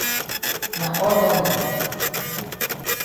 Na all dat nor.